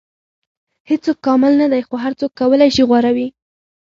• هیڅوک کامل نه دی، خو هر څوک کولی شي غوره وي.